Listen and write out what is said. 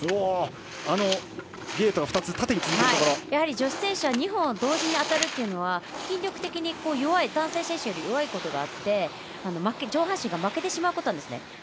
やはり女子選手は２本同時に当たるというのは筋力的に男性選手より弱いことがあって上半身が負けてしまうことがあるんです。